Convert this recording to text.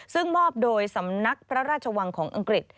ซึ่งมอบโดยสำนักพระราชวังของอังกฤษ